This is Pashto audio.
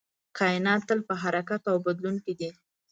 کائنات تل په حرکت او بدلون کې دی.